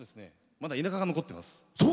まだ田舎が残ってます。